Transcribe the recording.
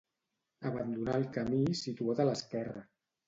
Abandonar el camí situat a l'esquerra.